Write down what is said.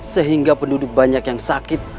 sehingga penduduk banyak yang sakit